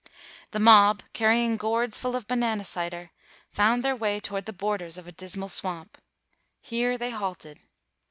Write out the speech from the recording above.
"The mob, carrying gourds full of ba nana cider, found their way toward the bor ders of a dismal swamp. Here they halted.